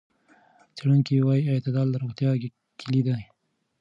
څېړونکي وايي اعتدال د روغتیا کلید دی.